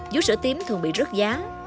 vú sữa tím thường bị rớt giá